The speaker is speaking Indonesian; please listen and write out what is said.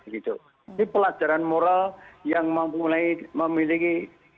gitu pelajaran moral yang memulai memiliki